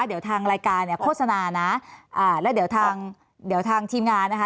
เดี๋ยวทางรายการเนี่ยโฆษณานะอ่าแล้วเดี๋ยวทางเดี๋ยวทางทีมงานนะคะ